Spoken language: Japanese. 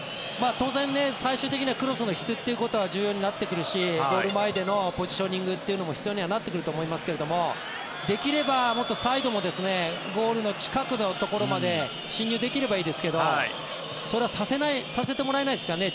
当然、最終的にはクロスの質ということは重要になってくるしゴール前でのポジショニングも必要にはなってくると思いますができればもっとサイドもゴールの近くのところまで進入できればいいですけどそれはさせてもらえないですからね。